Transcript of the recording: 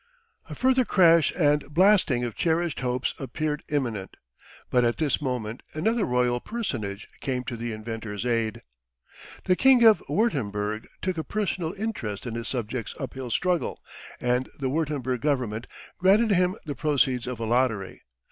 A further crash and blasting of cherished hopes appeared imminent, but at this moment another Royal personage came to the inventor's aid. The King of Wurtemberg took a personal interest in his subject's uphill struggle, and the Wurtemberg Government granted him the proceeds of a lottery.